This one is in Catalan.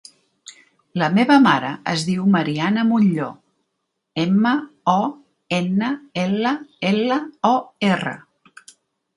La meva mare es diu Mariana Monllor: ema, o, ena, ela, ela, o, erra.